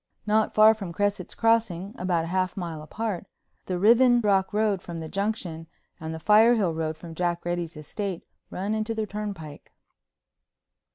Not far from Cresset's Crossing, about a half mile apart, the Riven Rock Road from the Junction and the Firehill Road from Jack Reddy's estate run into the turnpike.